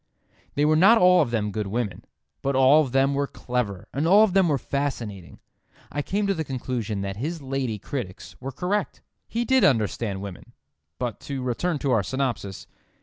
They were not all of them good women, but all of them were clever and all of them were fascinating. I came to the conclusion that his lady critics were correct: he did understand women. But to return to our synopsis.